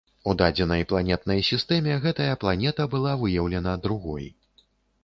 У дадзенай планетнай сістэме гэтая планета была выяўлена другой.